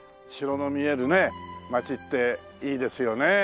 城の見えるね街っていいですよね。